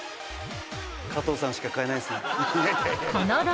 加藤さんしか買えないっすね。